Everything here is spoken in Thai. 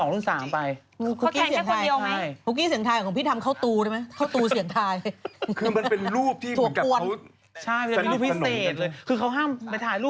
รูปลองไลน์เซ็นเท่าไหร่